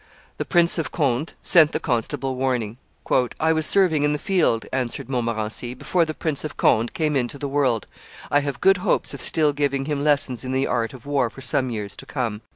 The Prince of Conde sent the constable warning. "I was serving in the field," answered Montmorency, "before the Prince of Conde came into the world; I have good hopes of still giving him lessons in the art of war for some years to come."